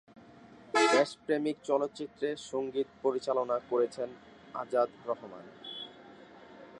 দেশপ্রেমিক চলচ্চিত্রের সঙ্গীত পরিচালনা করেছেন আজাদ রহমান।